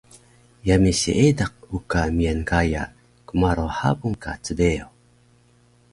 Yami Seediq uka miyan gaya kmaro habung ka cbeyo